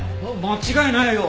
間違いないよ！